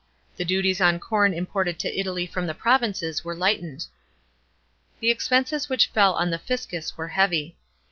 The duties on corn imported to Italy from the provinces were lightened. The expenses which fell on the fiscus were heavy.